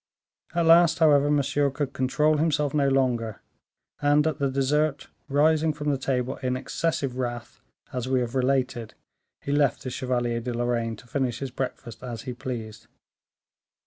At last, however, Monsieur could control himself no longer, and at the dessert, rising from the table in excessive wrath, as we have related, he left the Chevalier de Lorraine to finish his breakfast as he pleased.